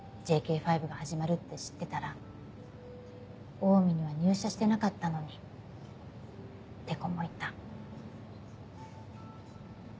「ＪＫ５が始まるって知ってたらオウミには入社してなかったのに」って子もいた。